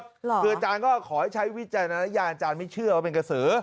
หรเหลือราชาญก็ขอให้ใช้วิจารณายาบอกว่าจะไม่เชื่อว่าเป็นกะสือ